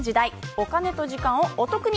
お金と時間を、お得に。